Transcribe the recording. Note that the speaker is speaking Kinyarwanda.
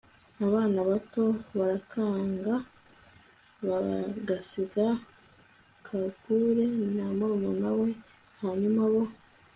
abana bato barikanga, bagasiga kagure na murumuna we. hanyuma, bo